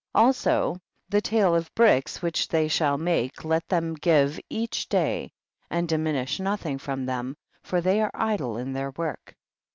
13. Also the tale of bricks which they shall make let them give each day, and diminish nothing from them, for they are idle in their work.